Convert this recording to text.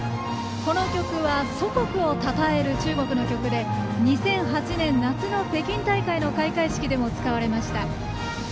この曲は祖国をたたえる中国の曲で２００８年夏の北京大会の開会式でも使われました。